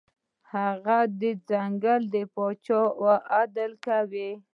هغه د ځنګل پاچا و او عدل یې کاوه.